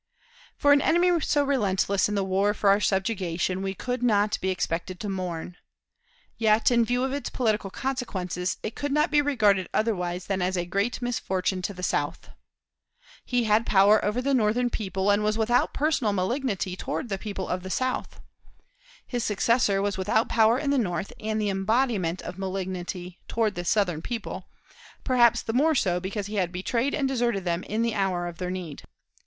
For an enemy so relentless in the war for our subjugation, we could not be expected to mourn; yet, in view of its political consequences, it could not be regarded otherwise than as a great misfortune to the South. He had power over the Northern people, and was without personal malignity toward the people of the South; his successor was without power in the North, and the embodiment of malignity toward the Southern people, perhaps the more so because he had betrayed and deserted them in the hour of their need.